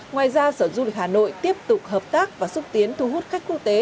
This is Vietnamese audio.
ngoài ra sở du lịch hà nội tiếp tục hợp tác và xúc tiến thu hút khách quốc tế